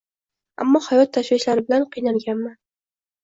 Аmmo hayot tashvishlari bilan qiynalganman.